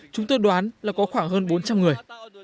chúng tôi đoán là có khoảng hơn bốn trăm linh người